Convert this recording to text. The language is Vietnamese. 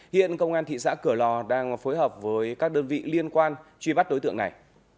hiện công an thị xã cửa lò đang phối hợp với các đơn vị liên quan truy bắt đối tượng này